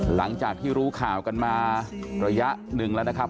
หลังจากที่รู้ข่าวกันมาระยะหนึ่งแล้วนะครับ